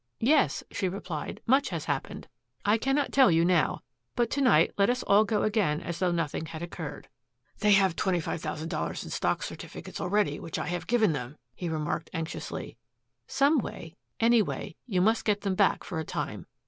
"Yes," she replied, "much has happened. I cannot tell you now. But to night let us all go again as though nothing had occurred." "They have twenty five thousand dollars in stock certificates already which I have given them," he remarked anxiously. "Some way any way, you must get them back for a time.